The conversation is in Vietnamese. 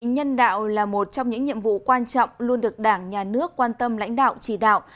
nhân đạo là một trong những nhiệm vụ quan trọng luôn được đảng nhà nước quan tâm lãnh đạo chỉ đạo